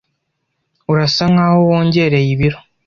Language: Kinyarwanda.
Urasa nkaho wongereye ibiro.